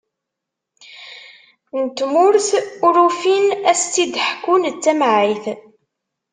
N tmurt, ur ufin ad as-tt-id-ḥkun d tamɛayt.